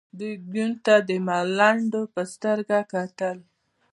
دوی ګیوم ته د ملنډو په سترګه کتل.